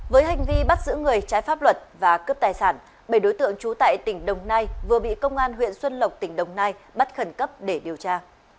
với hành vi bắt giữ người trái pháp luật và cướp tài sản bảy đối tượng trú tại tỉnh đồng nai vừa bị công an huyện xuân lộc tỉnh đồng nai bắt khẩn cấp để điều tra